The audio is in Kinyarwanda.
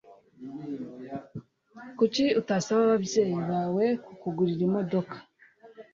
Kuki utasaba ababyeyi bawe kukugurira imodoka